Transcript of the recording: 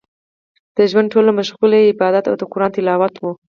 د ژوند ټوله مشغولا يې عبادت او د قران تلاوت و.